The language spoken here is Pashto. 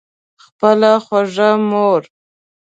خپله خوږه مور